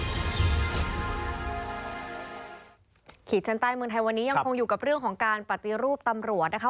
ขีดชั้นใต้เมืองไทยวันนี้ยังคงอยู่กับเรื่องของการปฏิรูปตำรวจนะคะ